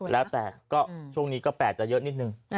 แล้วแต่ก็ช่วงนี้ก็๘จะเยอะนิดนึง